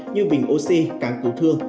như bình oxy cán cứu thương